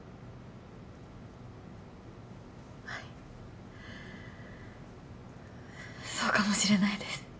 はいそうかもしれないです